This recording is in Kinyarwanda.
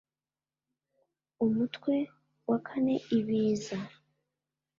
umu twe wakane ibiza